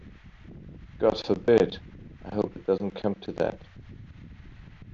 God forbid! I hope it doesn't come to that.